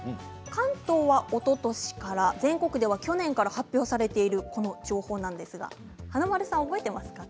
関東はおととしから全国では去年から発表されているほど情報なんですが華丸さん覚えていますか。